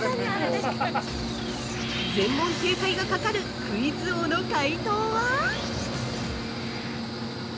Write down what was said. ◆全問正解がかかる、クイズ王の解答は？